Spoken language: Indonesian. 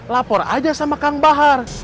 lapor aja sama kang bahar